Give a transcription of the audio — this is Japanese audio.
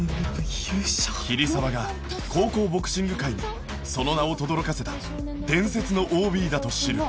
桐沢が高校ボクシング界にその名をとどろかせた伝説の ＯＢ だと知る